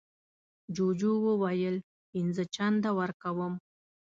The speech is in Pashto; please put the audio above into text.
جوجو وویل پینځه چنده ورکوم.